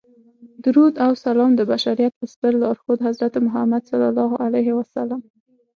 درود او سلام د بشریت په ستر لارښود حضرت محمد صلی الله علیه وسلم.